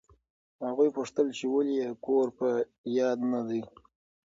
هغوی پوښتل چې ولې یې کور په یاد نه دی.